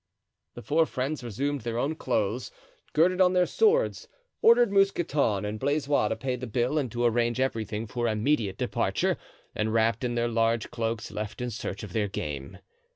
The four friends resumed their own clothes, girded on their swords, ordered Mousqueton and Blaisois to pay the bill and to arrange everything for immediate departure, and wrapped in their large cloaks left in search of their game.